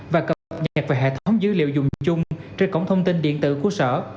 và cập nhật vào hệ thống dữ liệu dùng chung trên cổng thông tin điện tử của sở